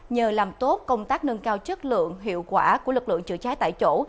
nhờ làm tốt công tác nâng cao chất lượng hiệu quả của lực lượng chữa cháy tại chỗ